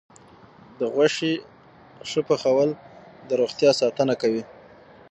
د غوښې ښه پخول د روغتیا ساتنه کوي.